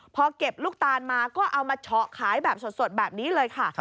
พอเก็บลูกตาลมาก็เอามาเฉาะขายแบบสดแบบนี้เลยค่ะ